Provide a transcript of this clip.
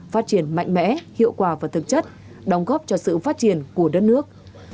phát triển mạnh mẽ hiệu quả và thực chất đóng góp cho sự phát triển của đất nước